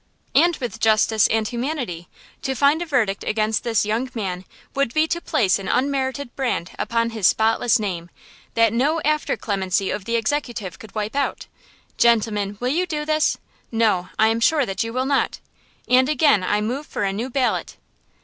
"And with justice and humanity! To find a verdict against this young man would be to place an unmerited brand upon his spotless name, that no after clemency of the Executive could wipe out! Gentlemen, will you do this! No! I am sure that you will not! And again I move for a new ballot!"